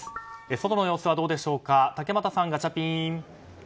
外の様子はどうでしょうか竹俣さん、ガチャピン。